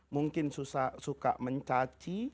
mungkin suka mencaci